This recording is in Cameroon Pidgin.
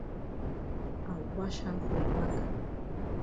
I wash hand for ya back.